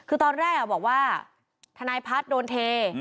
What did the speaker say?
คือตอนแรกบอกว่าทนายพัฒน์โดนเท